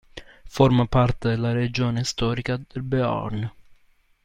Forma parte della regione storica del Béarn.